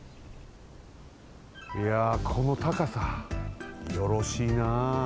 いやこのたかさよろしいな。